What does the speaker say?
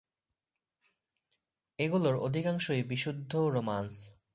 এগুলোর অধিকাংশই বিশুদ্ধ রোমান্স।